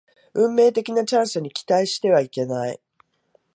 運命的なチャンスに期待してはいけない